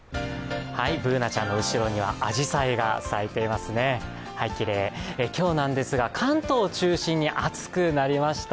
Ｂｏｏｎａちゃんの後ろにはあじさいが咲いていますね、きれい今日なんですが、関東を中心に暑くなりました。